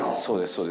そうです